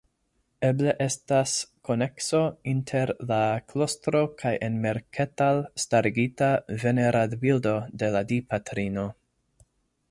Eble estas konekso inter la klostro kaj en Merketal starigita veneradbildo de la Dipatrino.